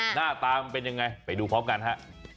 หน้าตามันเป็นยังไงไปดูพร้อมกันฮะ